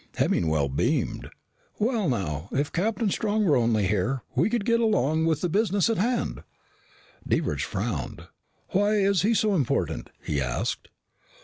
Hemmingwell beamed. "Well, now, if Captain Strong were only here, we could get along with the business at hand." Devers frowned. "Why is he so important?" he asked.